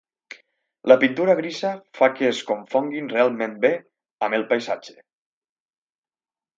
La pintura grisa fa que es confonguin realment bé amb el paisatge.